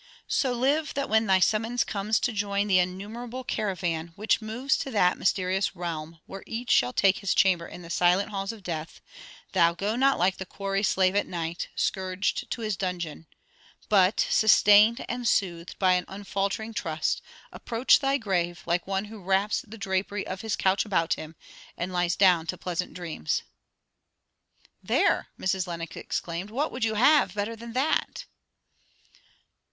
'So live, that when thy summons comes to join The innumerable caravan, which moves To that mysterious realm, where each shall take His chamber in the silent halls of death, Thou go not like the quarry slave at night, Scourged to his dungeon; but, sustained and soothed By an unfaltering trust, approach thy grave, Like one who wraps the drapery of his couch About him, and lies down to pleasant dreams.'" "There!" Mrs. Lenox exclaimed. "What would you have, better than that?"